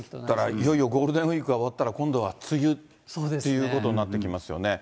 だからいよいよゴールデンウィークが終わったら、今度は梅雨っていうことになってきますよね。